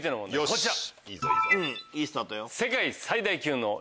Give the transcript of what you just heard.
こちら。